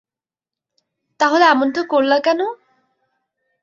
তাহলে এমনটা করলা কেন?